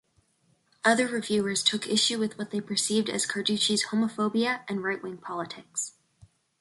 Other reviewers took issue with what they perceived as Carducci's homophobia and right-wing politics.